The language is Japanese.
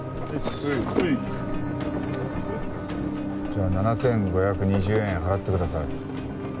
じゃあ７５２０円払ってください。